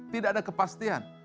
tidak ada kepastian